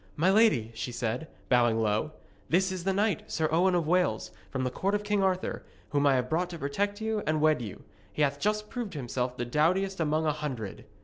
'My lady,' she said, bowing low, 'this is the knight, Sir Owen of Wales, from the court of King Arthur, whom I have brought to protect you and wed you. He hath just proved himself the doughtiest among a hundred.'